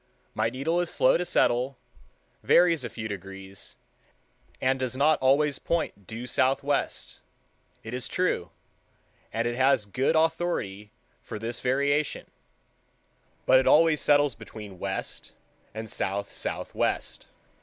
My needle is slow to settle—varies a few degrees, and does not always point due southwest, it is true, and it has good authority for this variation, but it always settles between west and south southwest.